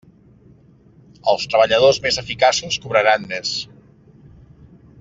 Els treballadors més eficaços cobraran més.